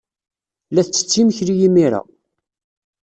La tettett imekli imir-a.